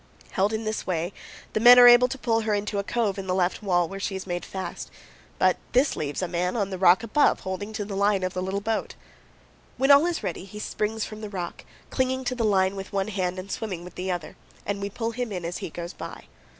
Held in this way, the men FROM THE UINTA TO THE GRAND. 197 are able to pull her into a cove in the left wall, where she is made fast. But this leaves a man on the rock above, holding to the line of the little boat. When all is ready, he springs from the rock, clinging to the line with one hand and swimming with the other, and we pull him in as he goes by.